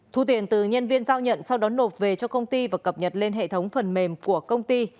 thu tiền từ nhân viên giao nhận sau đó nộp về cho công ty và cập nhật lên hệ thống phần mềm của công ty